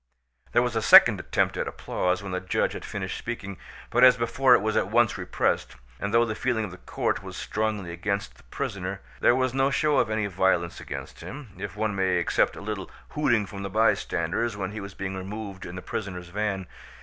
There was a second attempt at applause when the judge had finished speaking, but as before it was at once repressed; and though the feeling of the court was strongly against the prisoner, there was no show of any violence against him, if one may except a little hooting from the bystanders when he was being removed in the prisoners' van.